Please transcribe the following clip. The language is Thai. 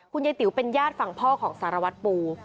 ยายติ๋วเป็นญาติฝั่งพ่อของสารวัตรปู